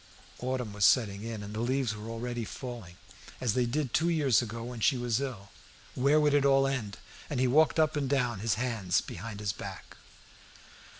Autumn was setting in, and the leaves were already falling, as they did two years ago when she was ill. Where would it all end? And he walked up and down, his hands behind his back.